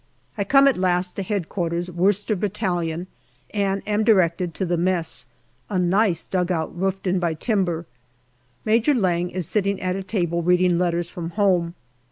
I come at last to H.Q. Worcester Battalion, and am directed to the mess a nice dugout roofed in by timber. Major Lang is sitting at a table reading letters from honie.